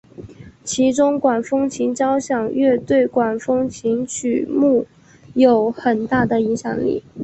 其中管风琴交响乐对管风琴曲目有很大的影响力。